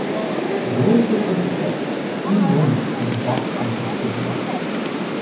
Although a critical success, "True Romance" was a box office failure.